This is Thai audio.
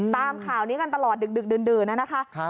ตามข่าวนี้กันตลอดดึกดื่นนะคะ